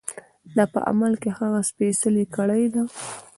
دا په عمل کې هغه سپېڅلې کړۍ ده.